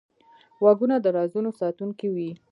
غوږونه د رازونو ساتونکی وي